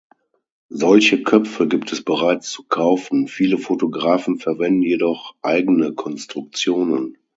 Solche Köpfe gibt es bereits zu kaufen, viele Fotografen verwenden jedoch eigene Konstruktionen.